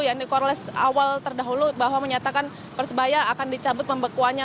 yang di coreles awal terdahulu bahwa menyatakan persebaya akan dicabut pembekuannya